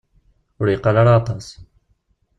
Ur yeqqar ara aṭas.